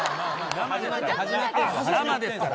生ですから。